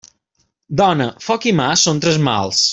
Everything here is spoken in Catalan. Dona, foc i mar són tres mals.